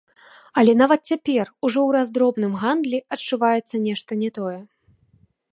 Але нават цяпер ужо ў раздробным гандлі адчуваецца нешта не тое.